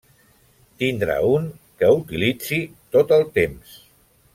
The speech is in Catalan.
Tindrà un que utilitzi tot el temps.